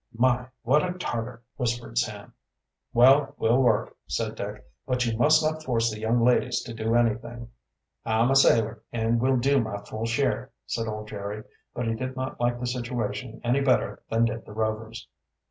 "My, what a Tarter!" whispered Sam. "Well, we'll work," said Dick. "But you must not force the young ladies to do anything." "I'm a sailor and will do my full share," said old Jerry. But he did not like the situation any better than did the Rovers.